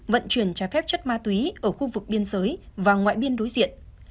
vận chuyển trái phép chất ma túy ở khu vực biên giới và ngoại biên đối diện